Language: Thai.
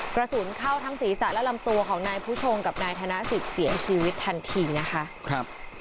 กระสุนเข้าทั้งศีรษะและลำตัวของนายผู้ชงกับนายธนสิทธิ์เสียชีวิตทันทีนะคะครับ